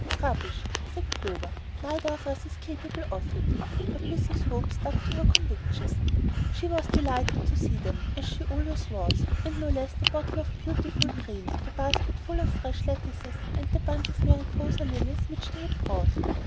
"Rubbish!" said Clover. "Neither of us is capable of it;" but Mrs. Hope stuck to her convictions. She was delighted to see them, as she always was, and no less the bottle of beautiful cream, the basket full of fresh lettuces, and the bunch of Mariposa lilies which they had brought.